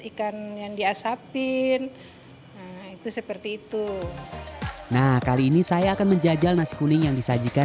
ikan yang diasappin itu seperti itu nah kali ini saya akan menjajal nasi kuning yang disajikan